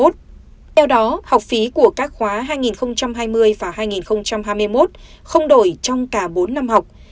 theo đó học phí của các khóa hai nghìn hai mươi và hai nghìn hai mươi một không đổi trong cả bốn năm học